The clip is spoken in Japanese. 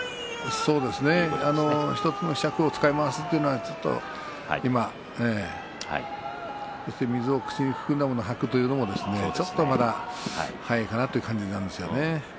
そうですね１つの尺を使いますというのはそれから水を口に含んだものを吐くというのはちょっと早いかなという感じなんですよね。